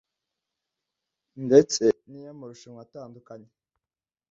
ndetse n’iy’amarushanwa atandukanye